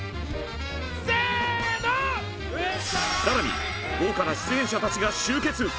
更に豪華な出演者たちが集結！